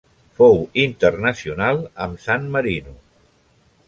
Fou internacional amb San Marino.